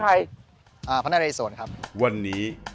ชื่องนี้ชื่องนี้ชื่องนี้ชื่องนี้ชื่องนี้